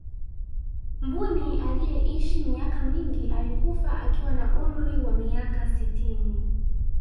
mbuni aliyeishi miaka mingi alikufa akiwa na umri wa miaka sitini